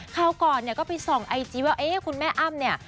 คราวก่อนเนี่ยก็ไปส่องไอจีว่าเอ๊ะคุณแม่อ้ำเนี่ย